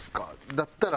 だったら。